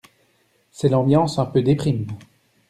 C'est l'ambiance un peu déprime.